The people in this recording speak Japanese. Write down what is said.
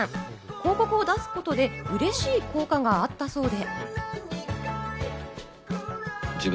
広告を出すことで、うれしい効果があったそうで。